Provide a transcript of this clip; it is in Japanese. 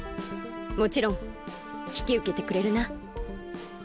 もちろんひきうけてくれるな？